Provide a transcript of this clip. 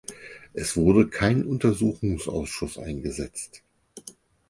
Es wurde kein Untersuchungsausschuss eingesetzt.